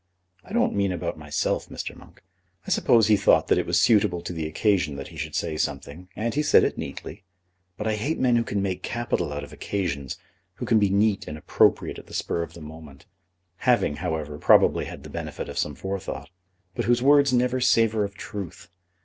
"I don't mean about myself, Mr. Monk. I suppose he thought that it was suitable to the occasion that he should say something, and he said it neatly. But I hate men who can make capital out of occasions, who can be neat and appropriate at the spur of the moment, having, however, probably had the benefit of some forethought, but whose words never savour of truth.